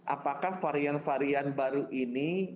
apakah varian varian baru ini